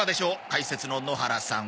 解説の野原さん。